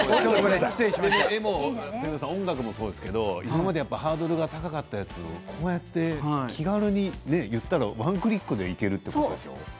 音楽もそうですけど今までハードルが高かったやつをこうやって気軽に言ったらワンクリックでできるということでしょう？